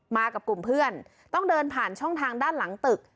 กับกลุ่มเพื่อนต้องเดินผ่านช่องทางด้านหลังตึก